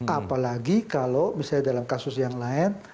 apalagi kalau misalnya dalam kasus yang lain